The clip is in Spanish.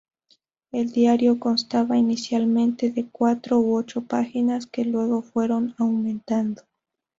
El diario constaba inicialmente de cuatro u ocho páginas, que luego fueron aumentando.